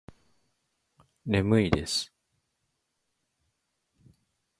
眠いです